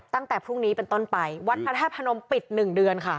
ตั้งแต่พรุ่งนี้เป็นต้นไปวัดพระธาตุพนมปิดหนึ่งเดือนค่ะ